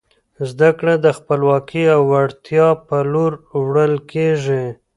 زده کړه د خپلواکۍ او وړتیا په لور وړل کیږي.